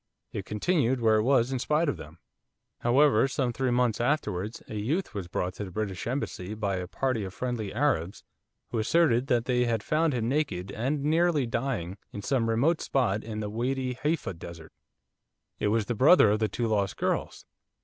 It continued where it was in spite of them. However, some three months afterwards a youth was brought to the British Embassy by a party of friendly Arabs who asserted that they had found him naked and nearly dying in some remote spot in the Wady Halfa desert. It was the brother of the two lost girls.